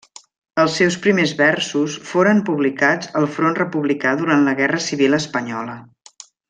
Els seus primers versos foren publicats al front republicà durant la Guerra Civil espanyola.